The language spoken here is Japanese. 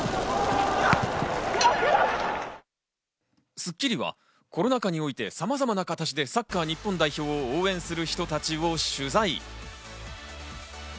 『スッキリ』はコロナ禍においてさまざまな形でサッカー日本代表を応援する人たちを取材。